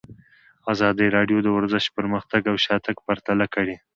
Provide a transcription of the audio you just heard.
ازادي راډیو د ورزش پرمختګ او شاتګ پرتله کړی.